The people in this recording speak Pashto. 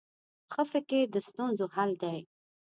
ښه فکر د ستونزو حل دی.